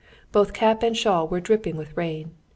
Both cap and shawl were dripping with rain.